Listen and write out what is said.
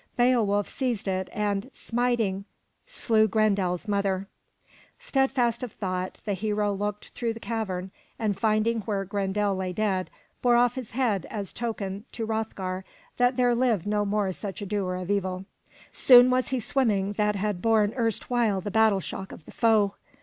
Beowulf seized it and, smiting, slew Grendel's mother. 421 M Y BOOK HOUSE Steadfast of thought, the hero looked through the cavern, and finding where Grendel lay dead, bore off his head as token to Hroth'gar that there lived no more such a doer of evil. Soon was he swimming that had borne erstwhile the battle shock of the foe.